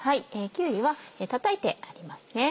きゅうりはたたいてありますね。